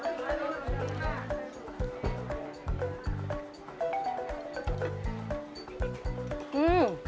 ini pertama kali saya nyobain yang ini